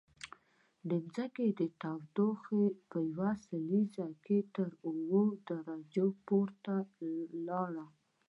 د ځمکې تودوخه په یوه لسیزه کې تر اووه درجو پورته لاړه